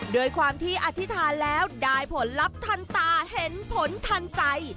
ด้วยความที่อธิษฐานแล้วได้ผลลัพธ์ทันตาเห็นผลทันใจ